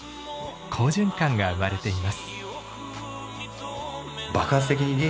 好循環が生まれています。